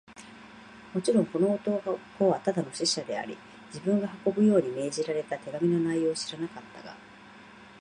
もちろん、この男はただの使者であり、自分が運ぶように命じられた手紙の内容を知らなかったが、